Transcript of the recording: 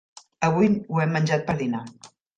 Avui ho hem menjat per dinar.